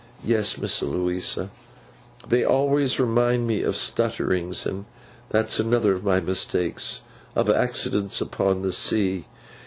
'Yes, Miss Louisa—they always remind me of stutterings, and that's another of my mistakes—of accidents upon the sea.